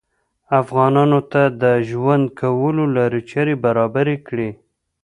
افغانانو ته د ژوند کولو لارې چارې برابرې کړې